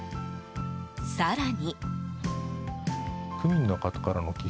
更に。